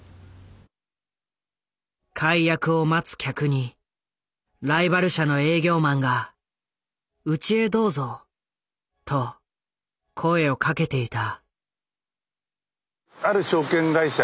解約を待つ客にライバル社の営業マンが「うちへどうぞ」と声を掛けていた。